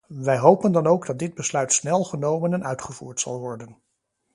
Wij hopen dan ook dat dit besluit snel genomen en uitgevoerd zal worden.